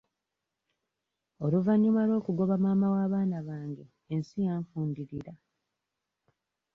Oluvannyuma lw'okugoba maama w'abaana bange ensi yanfundirira.